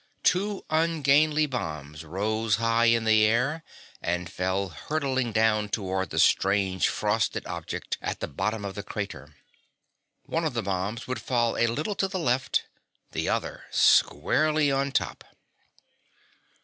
Two ungainly bombs rose high in the air and fell hurtling down toward the strange, frosted object at the bottom of the crater. One of the bombs would fall a little to the left. The other squarely on top!